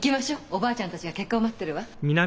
おばあちゃんたちが結果を待ってるわ。